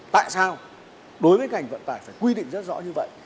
tại sao đối với ngành vận tải phải quy định rất rõ như vậy